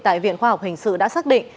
tại viện khoa học hình sự đã xác định